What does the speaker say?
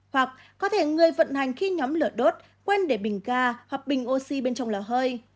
hoặc có thể người vận hành khi nhóm lửa đốt quen để bình ga hoặc bình oxy bên trong lò hơi